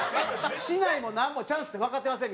竹刀もなんもチャンスってわかってません皆さん。